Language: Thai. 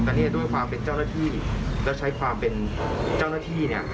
แต่เนี่ยด้วยความเป็นเจ้าหน้าที่แล้วใช้ความเป็นเจ้าหน้าที่เนี่ย